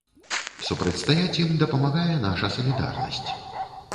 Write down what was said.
Супрацьстаяць ім дапамагае наша салідарнасць.